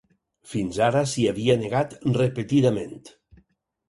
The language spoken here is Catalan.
Fins ara s’hi havia negat repetidament.